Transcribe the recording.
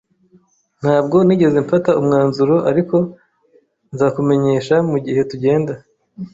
Ntabwo nigeze mfata umwanzuro, ariko nzakumenyesha mugihe tugenda